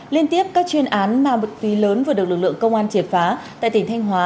liên tiếp các chuyên án mà mực tùy lớn vừa được lực lượng công an triệt phá tại tỉnh thanh hóa